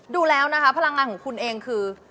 ดูแล้วนะคะพลังงานของคุณเองคือ